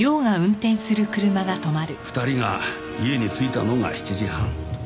２人が家に着いたのが７時半。